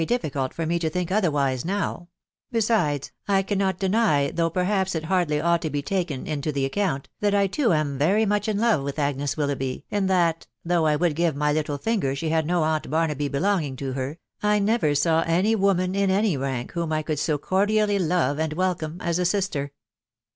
4B8 Uttfficult lor me to think otherwise new ; betides, I cannot 4any, thoue£i perhaps it hardly ought to We taken frito the ac *ooaKt, nhat 1 too am nrymneh In love wHh Agnes Wflleughby, and that .... anongh I would give any Httk 'finger she nad 010 aunt Bawafey belonging to bct .... 1 never uw any wo <man in any rank wham I could «o eordintly lore and welcome .as a Bister.